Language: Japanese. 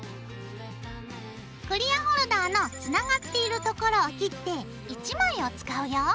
クリアホルダーのつながっている所を切って１枚を使うよ。